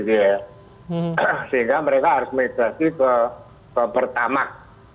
sehingga mereka harus migrasi ke pertamak